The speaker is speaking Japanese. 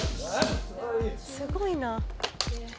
すごいな。